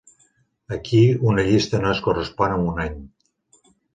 Aquí, una llista no es correspon amb un any.